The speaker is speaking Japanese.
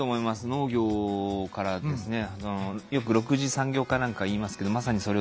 農業からですね。